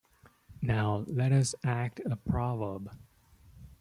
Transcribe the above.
Now let us act a proverb.